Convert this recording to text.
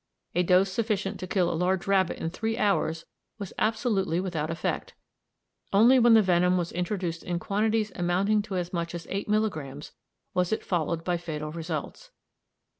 A dose sufficient to kill a large rabbit in three hours was absolutely without effect; only when the venom was introduced in quantities amounting to as much as eight milligrammes was it followed by fatal results.